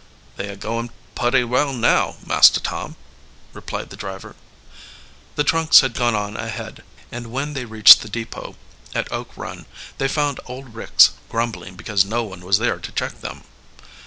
"They are going putty well now, Master Tom," replied the driver. The trunks had gone on ahead, and when they reached the depot at Oak Run they found old Ricks grumbling because no one was there to check them.